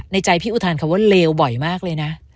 ใจพี่อุทานคำว่าเลวบ่อยมากเลยนะ